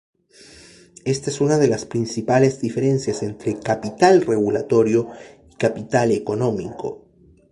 Esta es una de las principales diferencias entre capital regulatorio y Capital Económico.